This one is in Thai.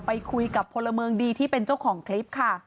ไปคุยกับพลเมืองดีที่เป็นเจ้าของคลิปค่ะ